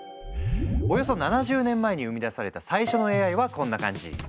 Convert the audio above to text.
およそ７０年前に生み出された最初のＡＩはこんな感じ。